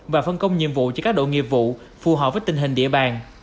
và phân công nhiệm vụ cho các đội nghiệp vụ phù hợp với tình hình địa bàn